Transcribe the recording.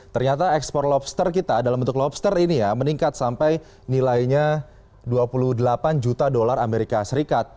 ternyata ekspor lobster kita dalam bentuk lobster ini ya meningkat sampai nilainya dua puluh delapan juta dolar amerika serikat